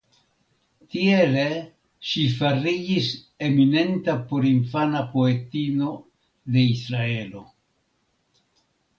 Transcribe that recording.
Tiele ŝi fariĝis eminenta porinfana poetino de Israelo.